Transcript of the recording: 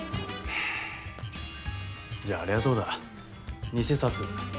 じゃあ、あれはどうだ偽札。